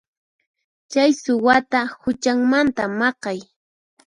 Chay suwata huchanmanta maqay.